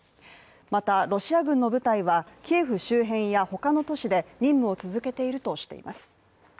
また、ロシア軍の部隊はキエフ周辺や他の都市で任務を続けているとしています。